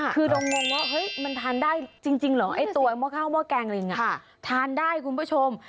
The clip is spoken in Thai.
คือต้องงงว่ามันทานได้จริงเหรอไอ้ตัวเมาะข้าวเมาะแกงลิงทานได้คุณผู้ชม